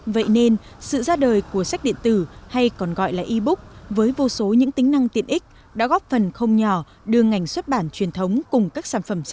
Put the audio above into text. vậy nên sự ra đời của sách điện tử hay còn gọi là e book với vô số những tính năng tiện ích đã góp phần không nhỏ đưa ngành xuất bản truyền thống cùng các sản phẩm sách